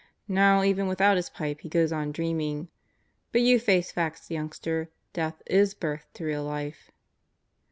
Now even without his pipe he goes on dreaming. But you face facts, youngster. Death is birth to real life."